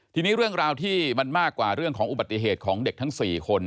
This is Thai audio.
ทีนี้เรื่องราวที่มันมากกว่าเรื่องของอุบัติเหตุของเด็กทั้ง๔คน